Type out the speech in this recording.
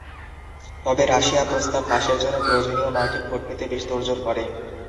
তবে রাশিয়া প্রস্তাব পাশের জন্য প্রয়োজনীয় নয়টি ভোট পেতে বেশ তোড়জোড় করে।